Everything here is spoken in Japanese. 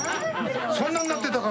そんなになってたか！